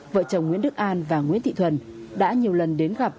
vợ chồng nguyễn đức an và nguyễn thị thuần đã nhiều lần đến gặp